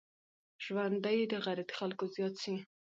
ژوند دي د غيرتي خلکو زيات سي.